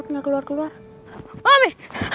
itucu pertama kali sama mbe